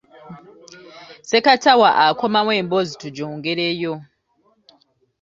Ssekatawa akomawo emboozi tugyongereyo.